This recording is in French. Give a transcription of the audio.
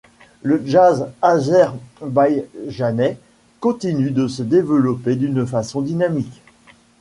Le jazz azerbaïdjanais continue de se développer d’une façon dynamique.